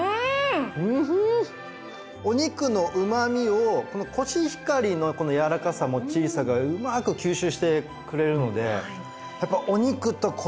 お肉のうまみをこのコシヒカリのこのやわらかさもっちりさがうまく吸収してくれるのでやっぱお肉とコシヒカリって合いますね。